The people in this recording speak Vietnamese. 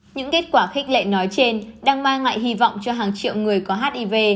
những kết quả khích lệ nói trên đang mang lại hy vọng cho hàng triệu người có hiv